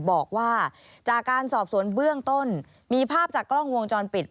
บอกว่าจากการสอบสวนเบื้องต้นมีภาพจากกล้องวงจรปิด